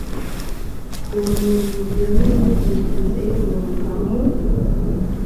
ubumenyingiro n imyigishirize y imyuga mu